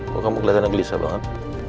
kenapa kamu gelesah banget